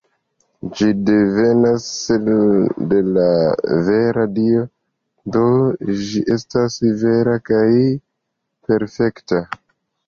Ĝi devenas de la vera Dio, do ĝi estas vera kaj perfekta.